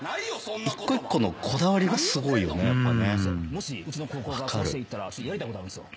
もしうちの高校が甲子園行ったらやりたいことあるんですよ。